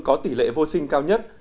có tỷ lệ vô sinh cao nhất